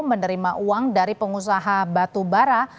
menerima uang dari pengusaha batu bara